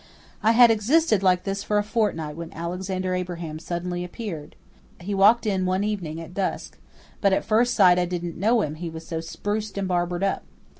I had existed like this for a fortnight when Alexander Abraham suddenly appeared. He walked in one evening at dusk, but at first sight I didn't know him he was so spruced and barbered up.